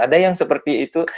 ada yang seperti itu